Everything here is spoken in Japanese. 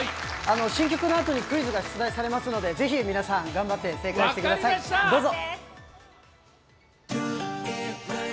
新曲のあとにクイズが出題されますので、是非皆さん、頑張って正解してください、どうぞ！